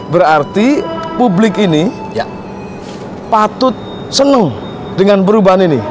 berarti publik ini patut senang dengan perubahan ini